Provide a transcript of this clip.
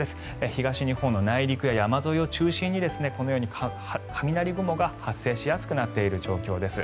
東日本の内陸や山沿いを中心にこのように雷雲が発生しやすくなっている状況です。